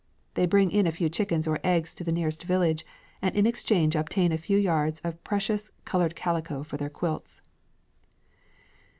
They bring in a few chickens or eggs to the nearest village, and in exchange obtain a few yards of precious coloured calico for their quilts.